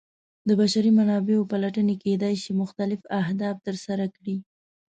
د بشري منابعو پلټنې کیدای شي مختلف اهداف ترسره کړي.